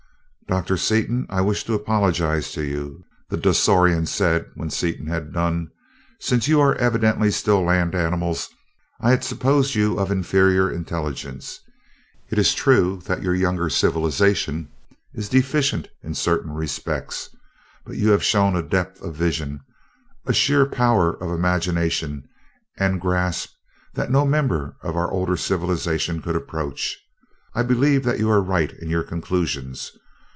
"Doctor Seaton, I wish to apologize to you," the Dasorian said when Seaton had done. "Since you are evidently still land animals, I had supposed you of inferior intelligence. It is true that your younger civilization is deficient in certain respects, but you have shown a depth of vision, a sheer power of imagination and grasp, that no member of our older civilization could approach. I believe that you are right in your conclusions.